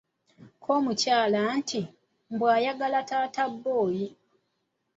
Kko omukyala nti, Mbu ayagala taata boy!